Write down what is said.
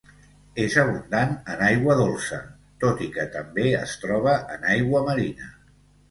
És abundant en aigua dolça tot i que també es troba en aigua marina.